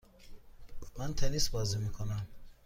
من تنیس بازی میکنم.